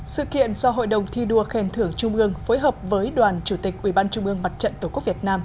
sự kiện do hội đồng thi đua khen thưởng trung ương phối hợp với đoàn chủ tịch ủy ban trung ương mặt trận tổ quốc việt nam